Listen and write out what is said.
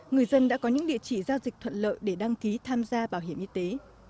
người dân đã có những địa chỉ giao dịch thuận lợi để đăng ký tham gia bảo hiểm y tế